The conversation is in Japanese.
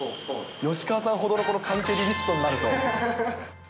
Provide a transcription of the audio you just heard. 吉川さんほどの缶蹴りニストになると。